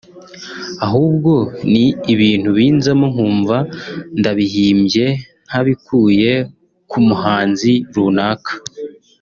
ahubwo ni ibintu binzamo nkumva ndabihimbye ntabikuye ku muhanzi runaka